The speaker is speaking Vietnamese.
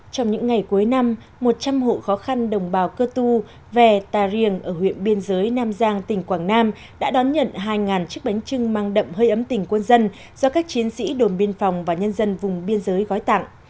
trong những ngày cuối năm một trăm linh hộ khó khăn đồng bào cơ tu về tà riềng ở huyện biên giới nam giang tỉnh quảng nam đã đón nhận hai chiếc bánh trưng mang đậm hơi ấm tỉnh quân dân do các chiến sĩ đồn biên phòng và nhân dân vùng biên giới gói tặng